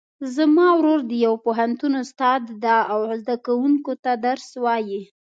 زما ورور د یو پوهنتون استاد ده او زده کوونکو ته درس وایي